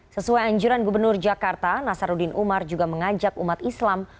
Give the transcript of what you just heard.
sesuai anjuran gubernur jakarta nasaruddin umar juga mengajak umat islam